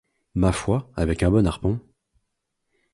Ma foi, avec un bon harpon !